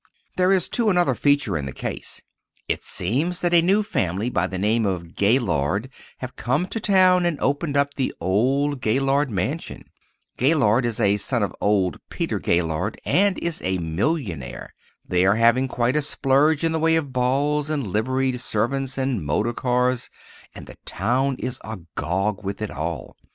There is, too, another feature in the case. It seems that a new family by the name of Gaylord have come to town and opened up the old Gaylord mansion. Gaylord is a son of old Peter Gaylord, and is a millionaire. They are making quite a splurge in the way of balls and liveried servants, and motor cars, and the town is agog with it all.